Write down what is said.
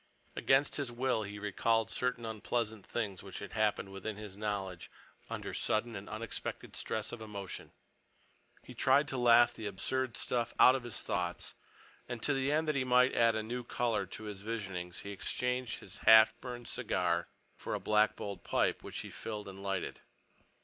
Against his will he recalled certain unpleasant things which had happened within his knowledge under sudden and unexpected stress of emotion. He tried to laugh the absurd stuff out of his thoughts and to the end that he might add a new color to his visionings he exchanged his half burned cigar for a black bowled pipe, which he filled and lighted.